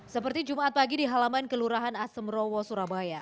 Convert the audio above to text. seperti jumat pagi di halaman kelurahan asemrowo surabaya